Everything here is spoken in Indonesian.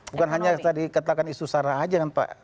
bukan hanya tadi katakan isu sarah aja kan pak